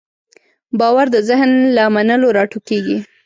باور د ذهن له منلو راټوکېږي.